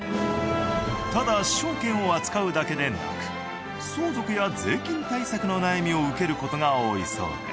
ただ証券を扱うだけでなく相続や税金対策の悩みを受ける事が多いそうで。